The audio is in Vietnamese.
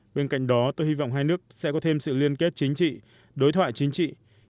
bên cạnh đó tôi hy vọng hai nước sẽ có thêm sự liên kết chính trị đối thoại chính trị